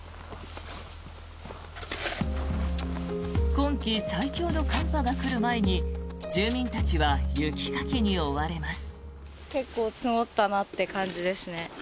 今季最強の寒波が来る前に住民たちは雪かきに追われます。